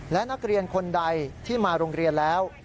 และนักเรียนคนใดที่มาโรงเรียนแล้ว